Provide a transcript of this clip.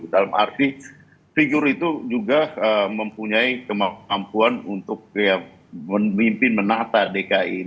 dalam arti figur itu juga mempunyai kemampuan untuk memimpin menata dki ini